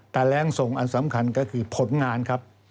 แต่แรงส่งอันสำคัญก็คือผลงานครับ